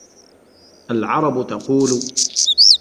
الْعَرَبُ تَقُولُ